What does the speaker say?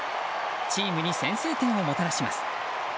チームに先制点をもたらします。